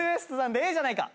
ええじゃないか！」